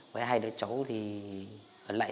với hai đứa cháu thì ở lại